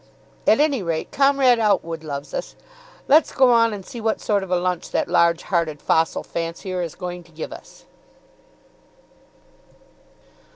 "At any rate, Comrade Outwood loves us. Let's go on and see what sort of a lunch that large hearted fossil fancier is going to give us."